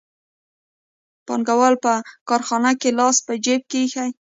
پانګوال په کارخانه کې لاس په جېب کې ایښی وي